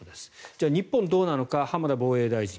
じゃあ日本、どうなのか浜田防衛大臣。